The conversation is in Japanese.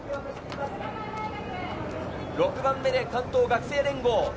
６番目で関東学生連合。